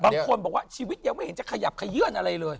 บางคนบอกว่าชีวิตยังไม่เห็นจะขยับขยื่นอะไรเลย